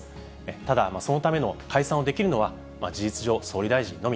ただ、そのための解散をできるのは、事実上、総理大臣のみ。